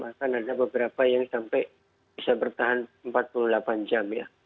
bahkan ada beberapa yang sampai bisa bertahan empat puluh delapan jam ya